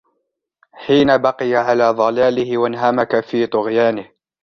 حِينَ بَقِيَ عَلَى ضَلَالِهِ وَانْهَمَكَ فِي طُغْيَانِهِ